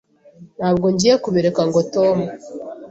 Ntabwo ngiye kubireka ngo Tom.